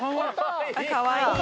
かわいい。